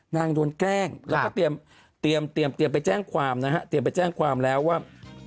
นางโดนแกล้งแล้วก็เตรียมไปแจ้งความนะฮะเตรียมไปแจ้งความแล้วว่า